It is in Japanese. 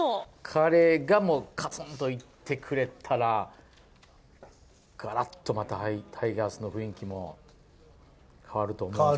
彼がもうがつんといってくれたら、がらっとまたタイガースの雰囲気も変わると思うんですけど。